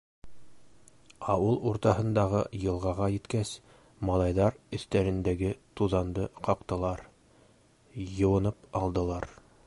Ауыл уртаһындағы йылғаға еткәс, малайҙар өҫтәрендәге туҙанды ҡаҡтылар, йыуынып алдылар.